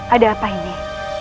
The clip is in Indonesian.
ada apa ini